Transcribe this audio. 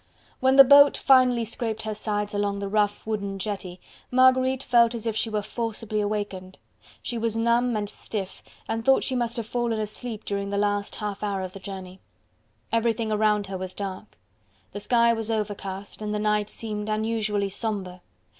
When the boat finally scraped her sides along the rough wooden jetty, Marguerite felt as if she were forcibly awakened. She was numb and stiff and thought she must have fallen asleep during the last half hour of the journey. Everything round her was dark. The sky was overcast, and the night seemed unusually sombre.